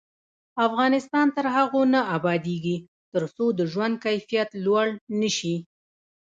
افغانستان تر هغو نه ابادیږي، ترڅو د ژوند کیفیت لوړ نشي.